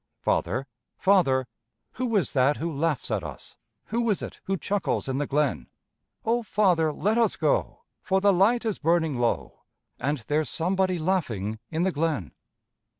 Father, father, who is that who laughs at us? Who is it who chuckles in the glen? Oh, father, let us go, For the light is burning low, And there's somebody laughing in the glen.